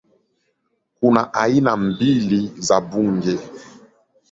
Kuna aina mbili za bunge